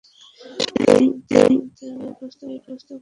ঐতিহাসিকদের মতে আলাউদ্দিন এই প্রস্তাব গ্রহণ করেছিলেন।